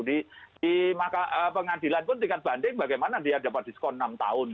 di pengadilan pun tingkat banding bagaimana dia dapat diskon enam tahun